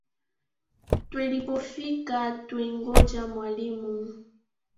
Twelipofika twenngoja mwalimu